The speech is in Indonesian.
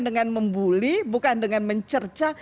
dengan membuli bukan dengan mencerca